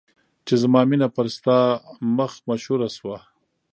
چې زما مینه پر ستا مخ مشهوره شوه.